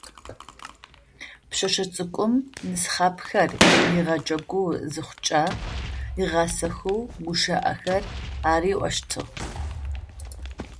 Пшъэшъэ цӏыкӏум нысхъапэхэр ыгъэджэгу зыхъукӏэ, ыгъасэхэу гущыӏэхэр ариӏощтыгъ.